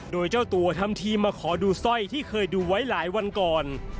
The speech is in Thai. โดยเจ้าตัวทำทีมาขอดูสร้อยที่เคยดูไว้หลายวันก่อน